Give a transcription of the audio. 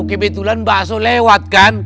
kebetulan bakso lewat kan